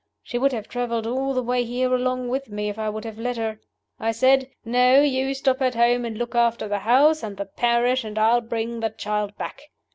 She would have traveled all the way here along with me if I would have let her. I said, 'No; you stop at home, and look after the house and the parish, and I'll bring the child back.